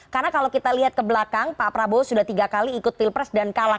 karena kalau kita lihat ke belakang pak prabowo sudah tiga kali ikut pilpres dan kalah